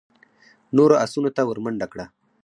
نورو آسونو ته ور منډه کړه.